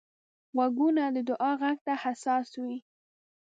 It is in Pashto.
غوږونه د دعا غږ ته حساس وي